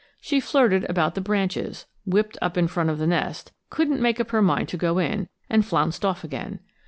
She flirted about the branches, whipped up in front of the nest, couldn't make up her mind to go in, and flounced off again.